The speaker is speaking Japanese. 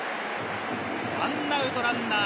１アウトランナー